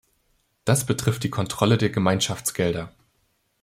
Das betrifft die Kontrolle der Gemeinschaftsgelder.